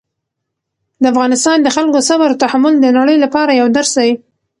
د افغانستان د خلکو صبر او تحمل د نړۍ لپاره یو درس دی.